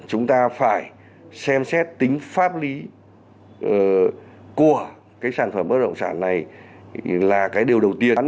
chúng ta phải xem xét tính pháp lý của cái sản phẩm bất động sản này là cái điều đầu tiên